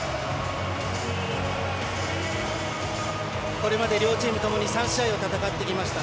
これまで両チームともに３試合を戦ってきました。